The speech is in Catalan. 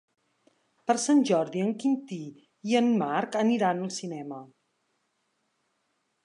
Per Sant Jordi en Quintí i en Marc aniran al cinema.